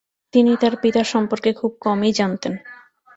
তিনি তার পিতা সম্পর্কে খুব কমই জানতেন।